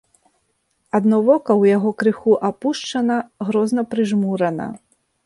Адно вока ў яго крыху апушчана, грозна прыжмурана.